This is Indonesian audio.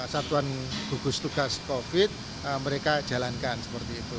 satuan tugas tugas covid sembilan belas mereka jalankan seperti itu